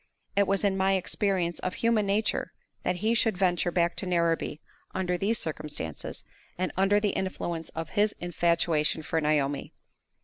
It was in my experience of human nature that he should venture back to Narrabee under these circumstances, and under the influence of his infatuation for Naomi.